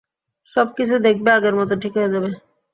সবকিছু দেখবে আগের মতো ঠিক হয়ে যাবে!